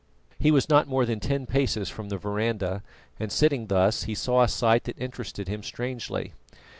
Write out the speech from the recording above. He was not more than ten paces from the verandah, and sitting thus he saw a sight that interested him strangely.